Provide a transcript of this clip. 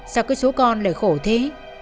sao cứ số con lại khổ thế